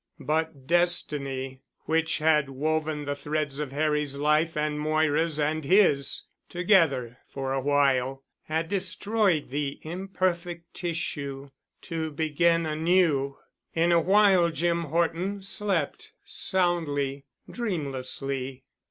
But Destiny, which had woven the threads of Harry's life and Moira's and his together for awhile, had destroyed the imperfect tissue—to begin anew. In a while Jim Horton slept, soundly, dreamlessly.